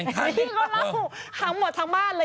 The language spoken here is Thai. โอ๊ยนี่ก็เล่าขังหมดทางบ้านเลย